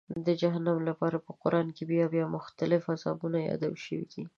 د جهنم لپاره په قرآن کې بیا بیا د مختلفو عذابونو یادونه شوې ده.